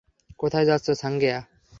কোথায় যাচ্ছো, সাঙ্গেয়া?